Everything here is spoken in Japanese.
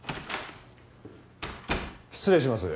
失礼します。